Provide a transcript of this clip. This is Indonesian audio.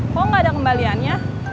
kok gak ada kembaliannya